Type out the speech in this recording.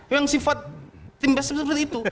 yang sifat tim suksesnya itu